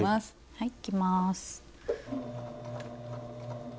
はいいきます。